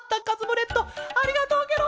レッドありがとうケロ！